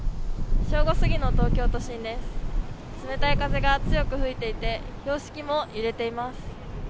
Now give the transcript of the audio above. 冷たい風が強く吹いていて、標識も揺れています。